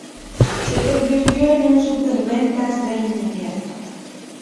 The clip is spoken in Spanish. Se convirtió en un superventas de inmediato.